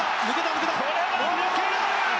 これは抜ける！